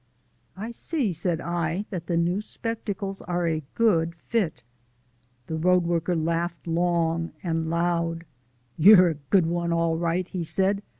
"I see," said I, "that the new spectacles are a good fit." The road worker laughed long and loud. "You're a good one, all right," he said.